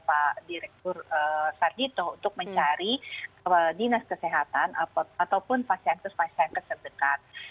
pak direktur sarjito untuk mencari dinas kesehatan ataupun pasien ke pasien pasien terdekat